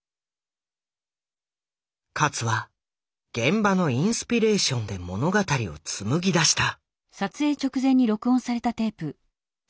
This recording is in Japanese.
勝は現場のインスピレーションで物語を紡ぎだした。